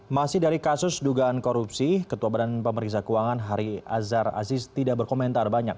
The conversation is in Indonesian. masih dari kasus dugaan korupsi ketua badan pemeriksa keuangan hari azhar aziz tidak berkomentar banyak